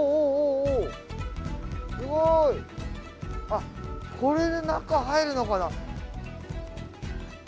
あっこれで中入るのかな？